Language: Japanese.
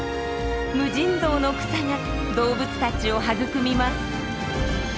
無尽蔵の草が動物たちを育みます。